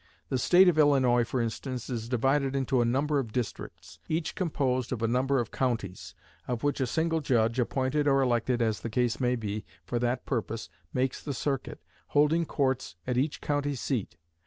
The State of Illinois, for instance, is divided into a number of districts, each composed of a number of counties, of which a single judge, appointed or elected as the case may be, for that purpose, makes the circuit, holding courts at each county seat.